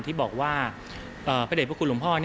ที่บอกว่าพระเด็จพระคุณหลวงพ่อ